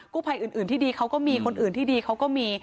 ภัยอื่นที่ดีเขาก็มีคนอื่นที่ดีเขาก็มี